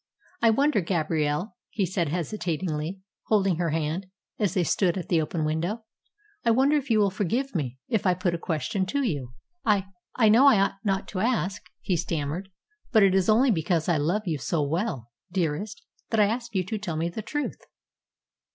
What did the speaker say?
"I wonder, Gabrielle," he said hesitatingly, holding her hand as they stood at the open window "I wonder if you will forgive me if I put a question to you. I I know I ought not to ask it," he stammered; "but it is only because I love you so well, dearest, that I ask you to tell me the truth."